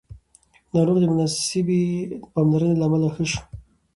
ناروغ د مناسبې پاملرنې له امله ښه شو